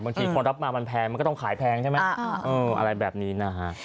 คนรับมามันแพงมันก็ต้องขายแพงใช่ไหมอะไรแบบนี้นะฮะ